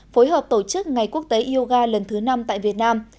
phối hợp tổ chức ngày quốc tế yoga lần thứ năm tại việt nam